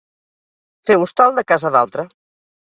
Fer hostal de casa d'altre.